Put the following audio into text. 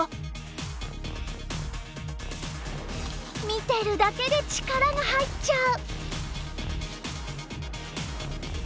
見てるだけで力が入っちゃう。